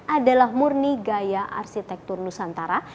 adalah murni gaya arsitektur nusantara